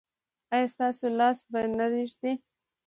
ایا ستاسو لاس به نه ریږدي؟